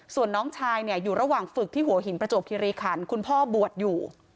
ส่วนน้องชายเนี่ยอยู่ระหว่างฝึกที่หัวหินประจวบคิริขันคุณพ่อบวชอยู่